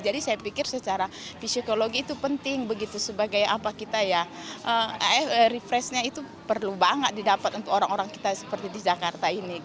jadi saya pikir secara psikologi itu penting sebagai apa kita ya refresh nya itu perlu banget didapat untuk orang orang kita seperti di jakarta ini